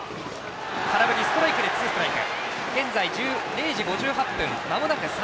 空振り、ストライクでツーストライク。